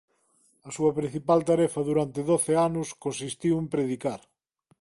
A súa principal tarefa durante doce anos consistiu en predicar.